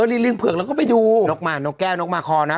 เออนี่ลิงเผือกเราก็ไปดูนกมานกแก้วนกมาคอนะ